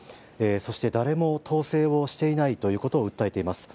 そして誰も統制をしていないということを訴えています。